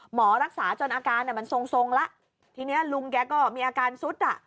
หมอรักษาจนอาการมันทรงทรงแล้วทีนี้ลุงแกก็มีอาการซุดอ่ะ